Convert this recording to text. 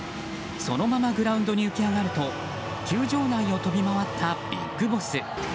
そのままグラウンドに浮き上がると球場内を飛び回ったＢＩＧＢＯＳＳ。